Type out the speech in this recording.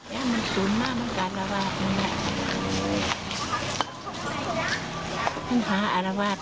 ยายก็ไม่อยากโดนหรอก